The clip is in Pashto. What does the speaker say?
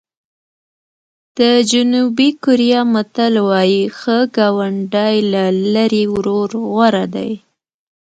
د جنوبي کوریا متل وایي ښه ګاونډی له لرې ورور غوره دی.